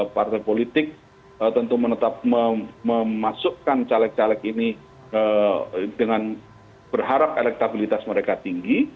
partai politik tentu menetap memasukkan caleg caleg ini dengan berharap elektabilitas mereka tinggi